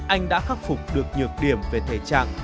anh đã khắc phục được nhược điểm về thể trạng